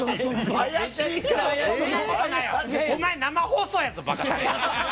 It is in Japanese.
お前、生放送やぞ、バカタレ。